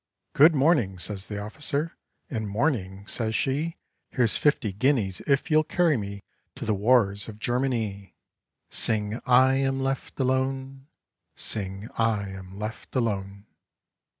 "Good morning," says the officer, And "Morning," says she, "Here's fifty guineas if you'll carry me To the wars of Germany." Sing I am left alone, Sing I am left alone.